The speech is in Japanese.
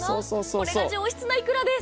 これが上質ないくらです。